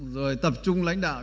rồi tập trung lãnh đạo